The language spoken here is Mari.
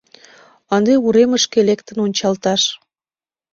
Ынде уремышке лектын ончалташ...